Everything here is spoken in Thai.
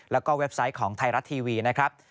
แล้วก็เว็บไซต์ของไทยรัฐทีวีนะครับ